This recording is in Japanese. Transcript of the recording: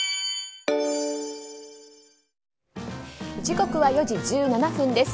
時刻は４時１７分です。